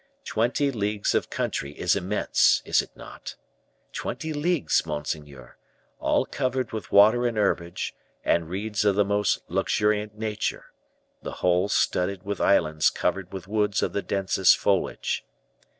Twenty leagues of country is immense, is it not? Twenty leagues, monseigneur, all covered with water and herbage, and reeds of the most luxuriant nature; the whole studded with islands covered with woods of the densest foliage.